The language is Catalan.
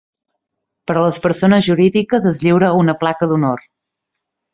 Per a les persones jurídiques es lliura una Placa d'Honor.